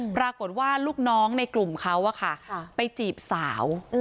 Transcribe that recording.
ปรากฏว่าลูกน้องในกลุ่มเขาไปจีบสาว